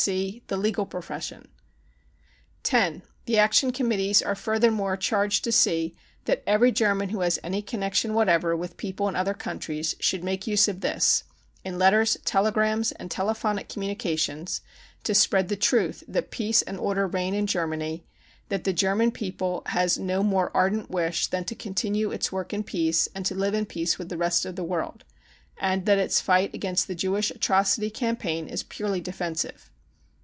G. The legal profession. ^ (10) The Action Committees are furthermore charged to see that every German who has any connection whatever It 258 BROWN BOOK OF THE HITLER TERROR with people in other countries should make use of this, in letters, telegrams, and telephonic communications, to spread the truth that peace and order reign in Germany, that the German people has no more ardent wish than to continue its work in peace and to live in peace with the rest of the world, and that its fight against the Jewish atrocity campaign is purely defensive.